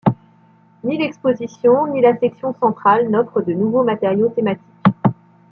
Ni l'exposition ni la section centrale n'offrent de nouveaux matériaux thématiques.